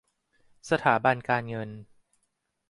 สถาบันการเงิน